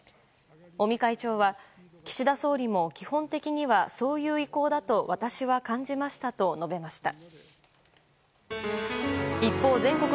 尾身会長は岸田総理も基本的にはそういう意向だと私は感じましたと述べました。